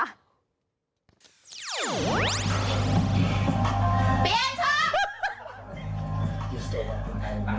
เปลี่ยนชอบ